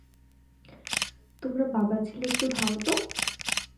তোমরা বাবা ছেলে একটু থামো তো!